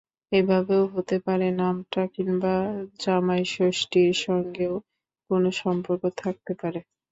এভাবেও হতে পারে নামটা, কিংবা জামাইষষ্ঠীর সঙ্গেও কোনো সম্পর্ক থাকতে পারে।